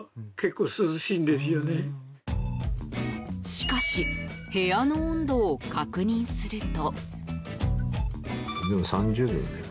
しかし部屋の温度を確認すると。